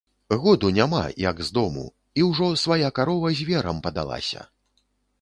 Году няма, як з дому, і ўжо свая карова зверам падалася.